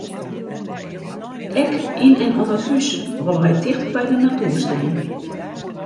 Ek yn en om it hús wolle wy ticht by de natoer stean.